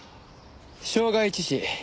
傷害致死。